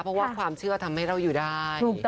เพราะว่าความเชื่อทำให้เราอยู่ได้